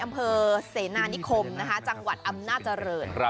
อำเภอเสนานิคมจังหวัดอำนาจริง